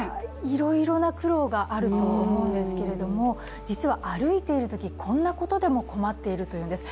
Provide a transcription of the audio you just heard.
いろいろな苦労があると思うんですけれども実は歩いているとき、こんなことでも困っているというんです。